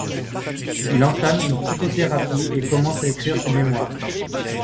Il entame une psychothérapie et commence à écrire ses mémoires.